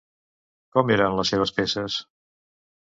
Com eren les seves peces?